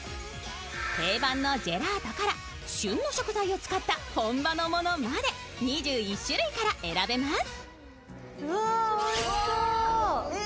定番のジェラートから旬の食材を使った本場のものまで、２１種類から選べます。